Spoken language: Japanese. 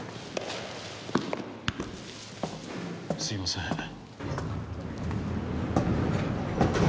すいません。